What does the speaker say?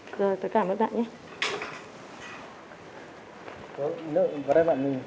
rồi tất cả mọi người bạn nhé